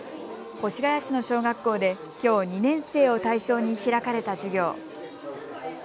越谷市の小学校できょう２年生を対象に開かれた授業。